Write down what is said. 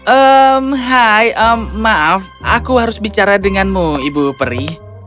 em hai maaf aku harus bicara denganmu ibu peri